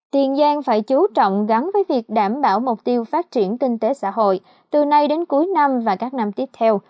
tiền giang phải chú trọng gắn với việc đảm bảo mục tiêu phát triển kinh tế xã hội từ nay đến cuối năm và các năm tiếp theo